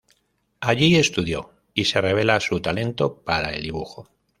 Allí estudió y se revela su talento para el dibujo.